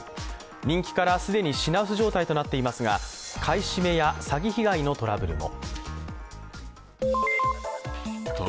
人気から既に品薄状態となっていますが買い占めや詐欺被害のトラブルも。